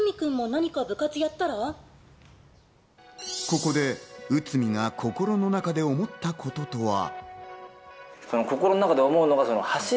ここで内海が心の中で思ったこととは。